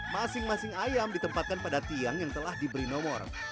masing masing ayam ditempatkan pada tiang yang telah diberi nomor